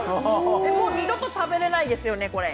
もう二度と食べれないですよね？